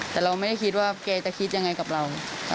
แต่เราไม่ได้คิดว่าแกจะคิดยังไงกับเรา